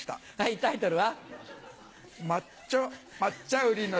タイトルは？